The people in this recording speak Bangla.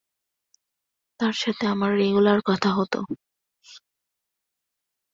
সংস্থাটি সুইস সরকার কর্তৃক নিয়ন্ত্রিত।